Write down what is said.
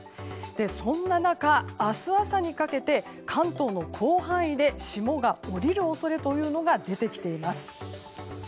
そんな中、明日朝にかけて関東の広範囲で霜が降りる恐れというのが出てきています。